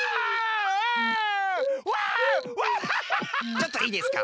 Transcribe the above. ちょっといいですか。